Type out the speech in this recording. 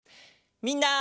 みんな。